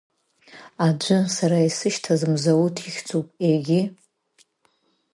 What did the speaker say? Аӡәы, сара исышьҭаз, Мзауҭ ихьӡуп, егьи…